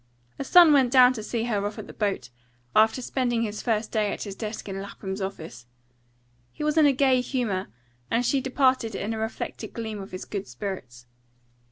Her son went down to see her off on the boat, after spending his first day at his desk in Lapham's office. He was in a gay humour, and she departed in a reflected gleam of his good spirits.